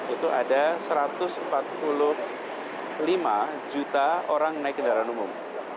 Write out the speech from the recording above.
itu ada satu ratus empat puluh lima juta orang naik kendaraan umum